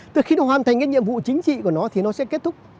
từ khi nó hoàn thành cái nhiệm vụ chính trị của nó thì nó sẽ kết thúc